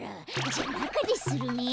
じゃなかでするね。